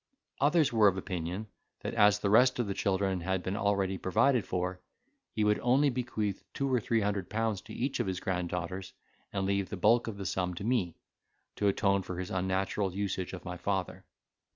Others were of opinion, that, as the rest of the children had been already provided for, he would only bequeath two or three hundred pounds to each of his granddaughters, and leave the bulk of the sum to me, to atone for his unnatural usage of my father.